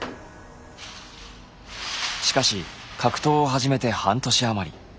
しかし格闘を始めて半年余り。